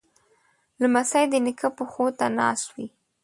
لمسی د نیکه پښو ته ناست وي.